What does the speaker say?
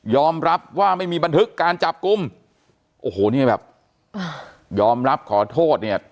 รับว่าไม่มีบันทึกการจับกลุ่มโอ้โหเนี่ยแบบยอมรับขอโทษเนี่ย